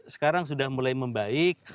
sekarang sudah mulai membaik